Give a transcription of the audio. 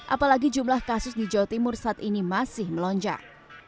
apalagi jumlah kasus di jawa timur saat ini masih melonjak